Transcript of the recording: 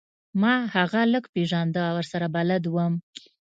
ما هغه لږ پیژنده او ورسره بلد وم